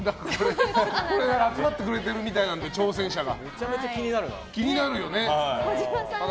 集まってくれてるみたいなので挑戦者が。